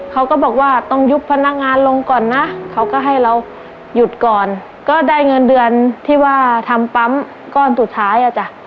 เขาก็บอกว่าต้องยุบพนักงานลงก่อนนะเขาก็ให้เราหยุดก่อนก็ได้เงินเดือนที่ว่าทำปั๊มก้อนสุดท้ายอ่ะจ้ะ